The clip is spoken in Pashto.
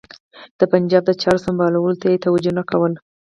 د پنجاب د چارو سمبالولو ته یې توجه نه کوله.